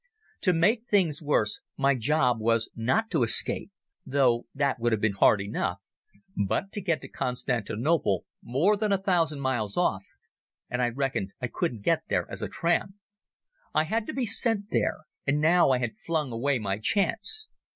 To make things worse my job was not to escape—though that would have been hard enough—but to get to Constantinople, more than a thousand miles off, and I reckoned I couldn't get there as a tramp. I had to be sent there, and now I had flung away my chance.